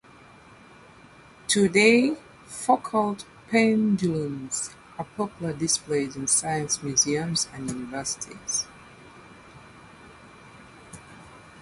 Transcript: Today, Foucault pendulums are popular displays in science museums and universities.